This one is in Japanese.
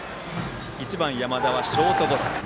１番、山田はショートゴロ。